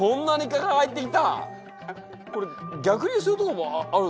これ逆流することもあるよな。